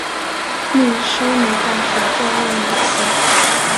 密苏里大学坐落于此。